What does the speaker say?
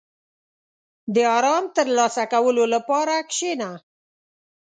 • د آرام ترلاسه کولو لپاره کښېنه.